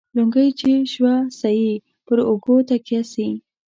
لنگۍ چې شوه سي ، پر اوږو تکيه سي.